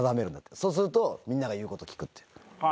そうすると、みんなが言うこと聞くって。